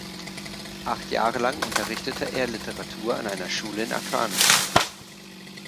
Acht Jahre lang unterrichtete er Literatur an einer Schule in Akranes.